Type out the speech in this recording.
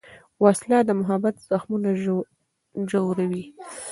وسله د محبت زخمونه ژوروي